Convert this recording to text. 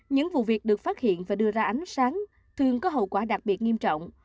những vụ việc được phát hiện và đưa ra ánh sáng thường có hậu quả đặc biệt nghiêm trọng